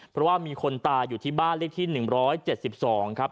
เพราะว่ามีคนตายอยู่ที่บ้านเลขที่๑๗๒ครับ